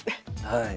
はい。